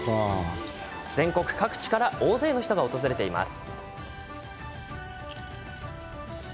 全国各地から大勢の人が訪れているんです。